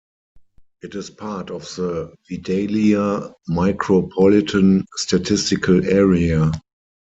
It is part of the Vidalia Micropolitan Statistical Area.